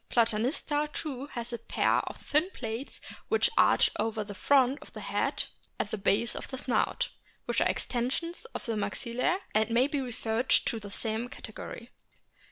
Platanista too has a pair of thin plates which arch over the front of the head at the base of the snout, which are extensions of the maxillae, and may be referred to the same category.